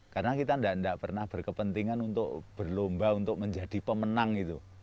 karena kita tidak pernah berkepentingan untuk berlomba untuk menjadi pemenang itu